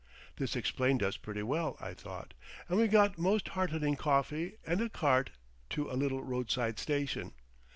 This explained us pretty well, I thought, and we got most heartening coffee and a cart to a little roadside station.